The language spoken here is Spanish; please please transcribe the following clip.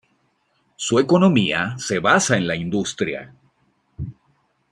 Su economía se basa en la industria.